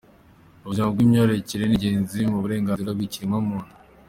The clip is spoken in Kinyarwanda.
Ubuzima bw’imyororokere ni ingenzi ku burenganzira bw’ikiremwamuntu.